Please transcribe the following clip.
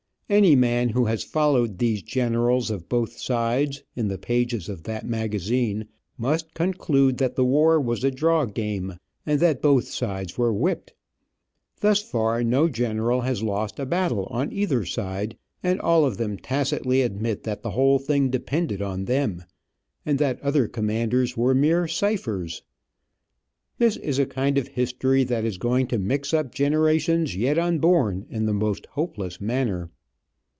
Any man who has followed these generals of both sides, in the pages of that magazine, must conclude that the war was a draw game, and that both sides were whipped. Thus far no general has lost a battle on either side, and all of them tacitly admit that the whole thing depended on them, and that other commanders were mere ciphers. This is a kind of history that is going to mix up generations yet unborn in the most hopeless manner.